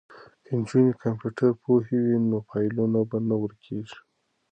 که نجونې کمپیوټر پوهې وي نو فایلونه به نه ورکیږي.